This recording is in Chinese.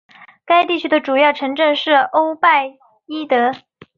该地区的主要城镇是欧拜伊德。